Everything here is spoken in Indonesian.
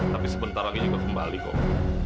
tapi sebentar lagi juga kembali kok